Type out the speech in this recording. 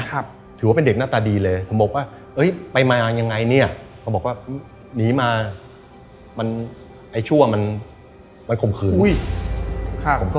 ถือว่าเป็นเด็กหน้าตาดีเลยผมบอกว่าเอ้ยไปมายังไงเนี่ยผมบอกว่าหนีมาไอ้ชั่วมันคงคืน